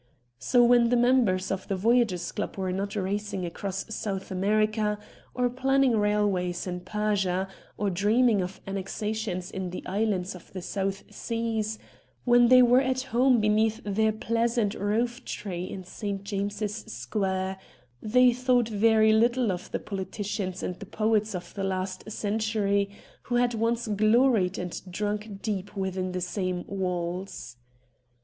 So when the members of the Voyagers' Club were not racing across South America, or planning railways in Persia, or dreaming of annexations in the islands of the South Seas ; when they were at home beneath their pleasant roof tree in St. James's Square, they thought very little of the politicians and the poets of the last century who had once gloried and drunk deep within the same walls.